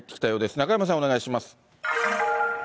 中山さん、お願いします。